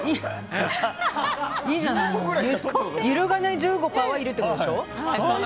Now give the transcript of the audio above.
揺るがない１５％はいるってことでしょ。